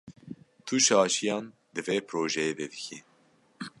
Tu şaşiyan di vê projeyê de dikî.